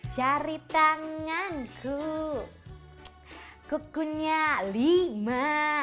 cari tanganku kukunya lima